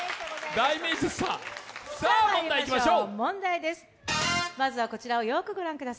さあ問題いきましょう。